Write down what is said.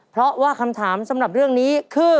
เพราะว่าคำถามสำหรับเรื่องนี้คือ